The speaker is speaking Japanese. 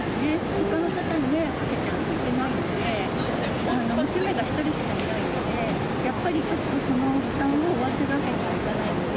ほかの方にね、迷惑かけちゃうといけないので、娘が１人しかいないので、やっぱりその負担を負わせるわけにはいかないので。